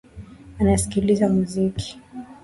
Anasikiliza muziki